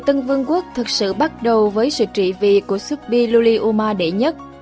kỳ tân vương quốc thực sự bắt đầu với sự trị vị của subi luli uma đệ nhất